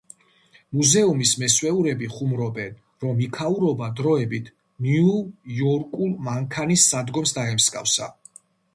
მუზეუმის მესვეურები ხუმრობენ, რომ იქაურობა დროებით ნიუ-იორკულ მანქანის სადგომს დაემსგავსა.